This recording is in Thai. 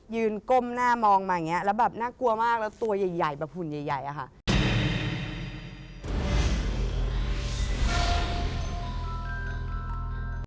ก้มหน้ามองมาอย่างนี้แล้วแบบน่ากลัวมากแล้วตัวใหญ่แบบหุ่นใหญ่อะค่ะ